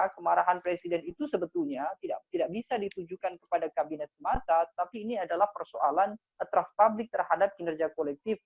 kemarahan presiden itu sebetulnya tidak bisa ditujukan kepada kabinet semata tapi ini adalah persoalan atras publik terhadap kinerja kolektif